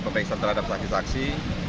pemeriksaan terhadap saksi saksi